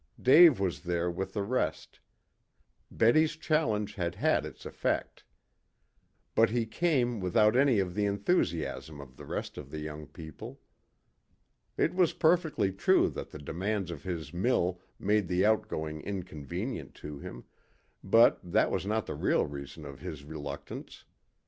Dave was there with the rest. Betty's challenge had had its effect. But he came without any of the enthusiasm of the rest of the young people. It was perfectly true that the demands of his mill made the outing inconvenient to him, but that was not the real reason of his reluctance.